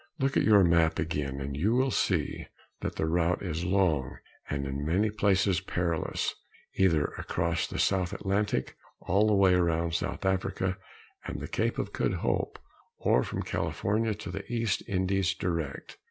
Look at your map again; and you will see that the route is long and at many places perilous either across the South Atlantic all the way around South Africa and the Cape of Good Hope, or from California to the East Indies direct.